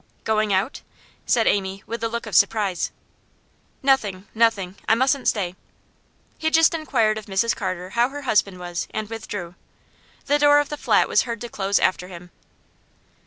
'Going out?' said Amy, with a look of surprise. 'Nothing nothing. I mustn't stay.' He just inquired of Mrs Carter how her husband was, and withdrew. The door of the flat was heard to close after him.